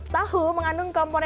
tahu mengandung komponen